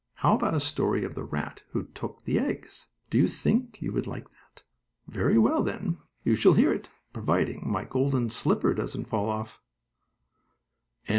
How about a story of the rat who took the eggs? Do you think you would like that? Very well, then, you shall hear it, providing my golden slipper doesn't fall off.